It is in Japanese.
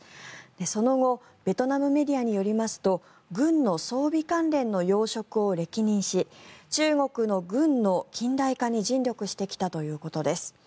その後ベトナムメディアによりますと軍の装備関連の要職を歴任し中国の軍の近代化に尽力してきたということです。